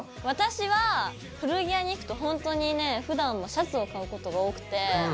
私は古着屋に行くとほんとにねふだんもシャツを買うことが多くて。